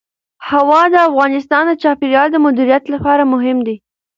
هوا د افغانستان د چاپیریال د مدیریت لپاره مهم دي.